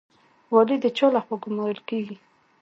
والي د چا لخوا ګمارل کیږي؟